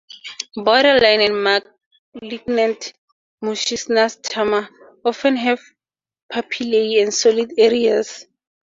"Borderline" and "malignant" mucinous tumors often have papillae and solid areas.